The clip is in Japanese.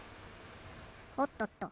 おっとっと。